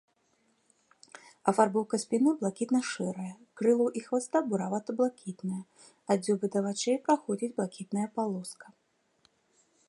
Афарбоўка спіны блакітна-шэрая, крылаў і хваста буравата-блакітная, ад дзюбы да вачэй праходзіць блакітная палоса.